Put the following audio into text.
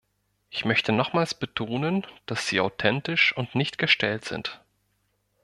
Ich möchte nochmals betonen, dass sie authentisch und nicht gestellt sind.